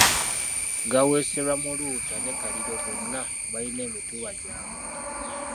Gaweeserwa Muluuta ne Kaliro bonna balina emituba gyabwe.